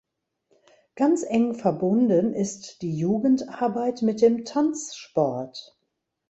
Ganz eng verbunden ist die Jugendarbeit mit dem Tanzsport.